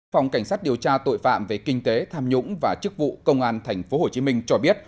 phòng cảnh sát điều tra tội phạm về kinh tế tham nhũng và chức vụ công an tp hcm cho biết